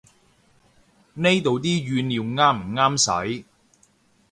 呢度啲語料啱唔啱使